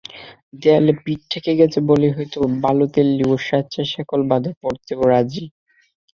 দেয়ালে পিঠ ঠেকে গেছে বলেই হয়তো বালোতেল্লিও স্বেচ্ছায় শেকলে বাঁধা পড়তেও রাজি।